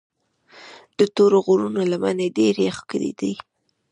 د تورو غرونو لمنې ډېرې ښکلي دي.